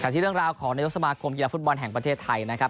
ที่เรื่องราวของนายกสมาคมกีฬาฟุตบอลแห่งประเทศไทยนะครับ